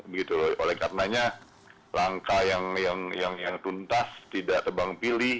begitu oleh karenanya langkah yang tuntas tidak tebang pilih